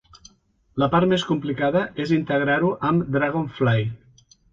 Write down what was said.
La part més complicada és integrar-ho amb Dragonfly.